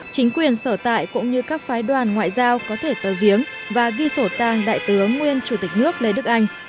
chính quyền sở tại cũng như các phái đoàn ngoại giao có thể tờ viếng và ghi sổ tang đại tướng nguyên chủ tịch nước lê đức anh